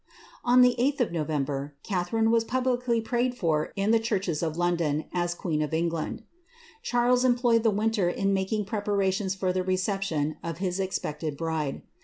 On the 8th of November, Catharine was publicly prayed for in the churches in London, as queen o( England.* Charles employed the winter in making preparations for the receptioa of his expected bride.